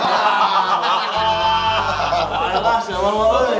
ayolah senyaman banget